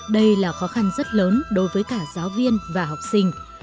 đây là khó khăn rất lớn đối với cả giáo viên và học sinh